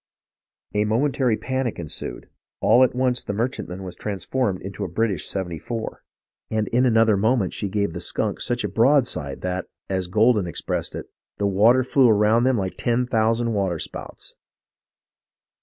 A momentary panic ensued. All at once the merchantman was transformed into a 28o HISTORY OF THE AMERICAN REVOLUTION British 74, and in another moment she gave the Skunk such a broadside that, as Goldin expressed it, ' the water flew around them like ten thousand waterspouts.'